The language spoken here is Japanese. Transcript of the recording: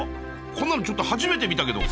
こんなのちょっと初めて見たけど。